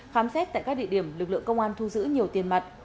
khám xét tại các địa điểm lực lượng công an thu giữ nhiều tiền mặt